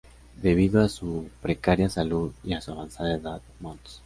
Debido a su precaria salud y a su avanzada edad, Mons.